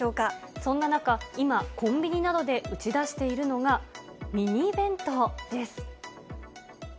そんな中、今、コンビニなどで打ち出しているのが、ミニ弁当です。